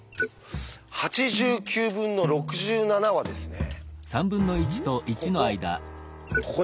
８９分の６７はですねここ。